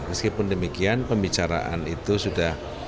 meskipun demikian pembicaraan itu sudah